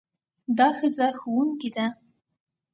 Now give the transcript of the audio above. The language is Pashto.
دا ښځه ښوونکې ده.